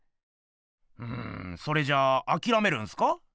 んそれじゃあきらめるんすか？